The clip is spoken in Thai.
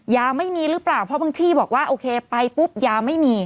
ยาไม่มีหรือเปล่าเพราะบางที่บอกว่าโอเคไปปุ๊บยาไม่มี